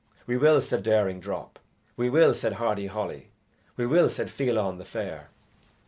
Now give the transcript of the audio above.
"We will," said Daring Drop. "We will," said Hardy Holly. "We will," said Fiallan the Fair.